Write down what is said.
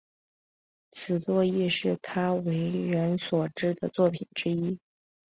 此作亦是他为人所知的作品之一。